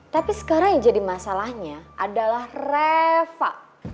tapi sekarang yang jadi masalahnya adalah reva